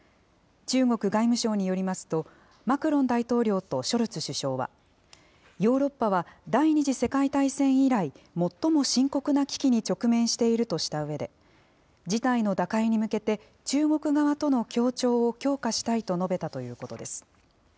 中国外務省によりますと、マクロン大統領とショルツ首相は、ヨーロッパは第２次世界大戦以来、最も深刻な危機に直面しているとしたうえで、事態の打開に向けて中国側との協調を強化したいと述べたということです。